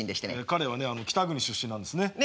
彼はね北国出身なんですね。